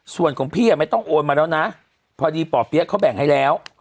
ส่วนของพี่ไม่ต้องโอนมาแล้วนะพอดีป่อเปี๊ยกเขาแบ่งให้แล้ว